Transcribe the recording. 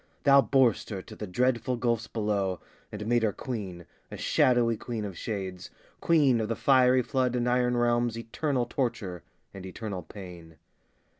Thou bor'st her to the dreadful gulfs below, And made her queen, a shadowy queen of shades, Queen of the fiery flood and iron realms, Eternal torture and eternal pain.